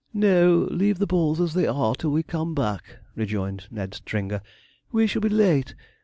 'No, leave the balls as they are till we come back,' rejoined Ned Stringer; 'we shall be late.